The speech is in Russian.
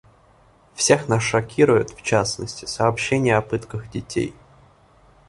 Всех нас шокируют, в частности, сообщения о пытках детей.